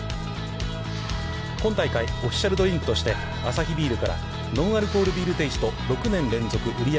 今大会、オフィシャルドリンクとしてアサヒビールからノンアルコールビールテイスト６年連続売上